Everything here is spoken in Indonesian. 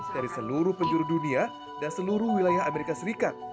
dari seluruh penjuru dunia dan seluruh wilayah amerika serikat